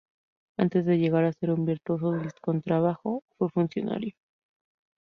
Antes de llegar a ser un virtuoso del contrabajo, fue funcionario.